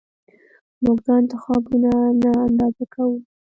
موږ دا انتخابونه نه اندازه کوو